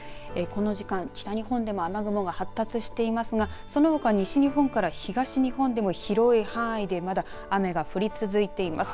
この時間、北日本でも雨雲が発達していますがそのほか、西日本から東日本でも広い範囲でまだ雨が降り続いています。